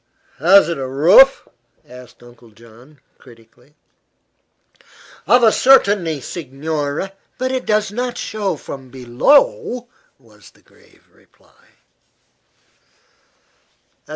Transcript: "Has it a roof?" asked Uncle John, critically. "Of a certainty, signore! But it does not show from below," was the grave reply.